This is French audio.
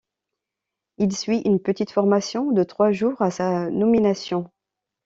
Il suit une petite formation de trois jours à sa nomination.